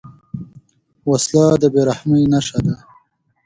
وسله د بېرحمۍ نښه ده